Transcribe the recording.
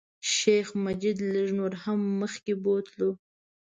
شیخ مجید لږ نور هم مخکې بوتلو.